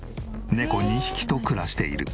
猫２匹と暮らしている。